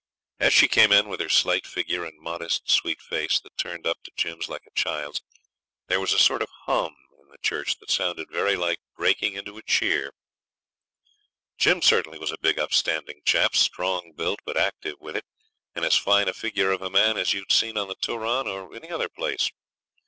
As she came in with her slight figure and modest sweet face that turned up to Jim's like a child's, there was a sort of hum in the church that sounded very like breaking into a cheer. Jim certainly was a big upstanding chap, strong built but active with it, and as fine a figure of a man as you'd see on the Turon or any other place.